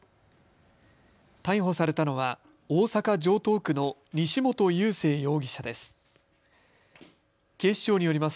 逮捕されたのは大阪城東区の西本佑聖容疑者です。